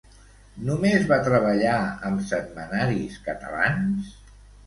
Només va treballar amb setmanaris catalans?